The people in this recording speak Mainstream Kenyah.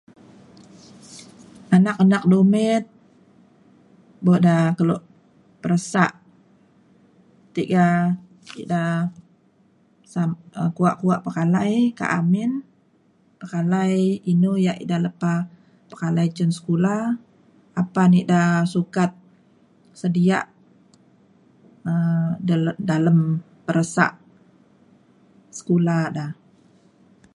anak-anak dumit bo' da keluk peresa' tiga ida sam um kuak-kuak pekalai ka amin pekalai inu ya' ida lepa pekalai cun sekula apan ida sukat sedia' um da dalem peresa' sekula da.